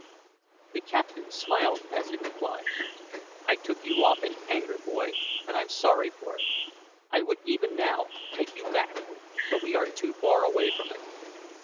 The captain smiled as he replied, "I took you off in anger, boy, and I'm sorry for it. I would even now take you back, but we are too far away from it.